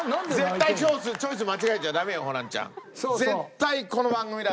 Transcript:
絶対チョイス間違えちゃダメよホランちゃん。